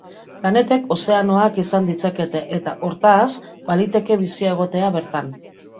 Planetek ozeanoak izan ditzakete eta, hortaz, baliteke bizia egotea bertan.